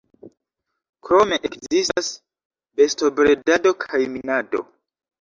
Krome ekzistas bestobredado kaj minado.